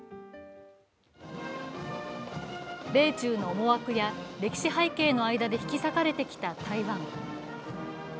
米中の思惑や歴史背景の間で引き裂かれてきた台湾。